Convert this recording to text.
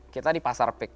kita di pasar pik